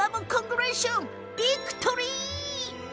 ビクトリー！